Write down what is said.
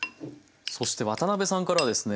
そして渡辺さんからはですね